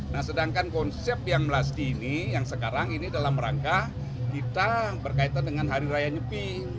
nah sedangkan konsep yang melasti ini yang sekarang ini dalam rangka kita berkaitan dengan hari raya nyepi